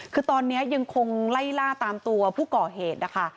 คือตอนนี้ยังคงไล่ล่าตามตัวผู้ก่อเหตุนะคะ